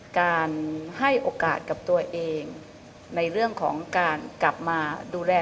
การให้โอกาสกับตัวเองในเรื่องของการกลับมาดูแล